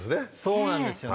そうなんですよね。